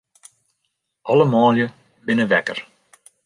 Alle manlju binne wekker.